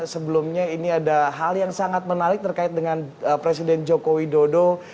sebelumnya ini ada hal yang sangat menarik terkait dengan presiden joko widodo